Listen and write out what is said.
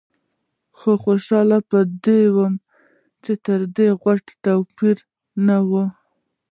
خو خوشاله په دې وم چې تر دې غټ توپونه نه ول.